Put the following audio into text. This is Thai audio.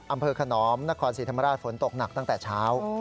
อำเภอขนอมนครศรีธรรมราชฝนตกหนักตั้งแต่เช้า